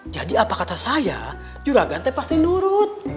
jadi apa kata saya juragan saya pasti nurut